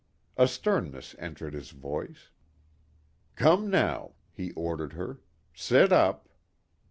A sternness entered his voice. "Come now," he ordered her, "sit up."